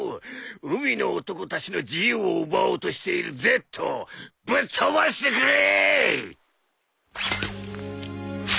海の男たちの自由を奪おうとしているＺをぶっとばしてくれ！